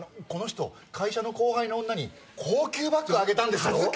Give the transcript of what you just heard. この人会社の後輩の女に高級バッグあげたんですよ